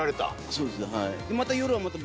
そうですはい。